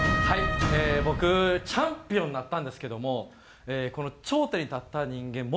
はい僕チャンピオンになったんですけどもこの頂点に立った人間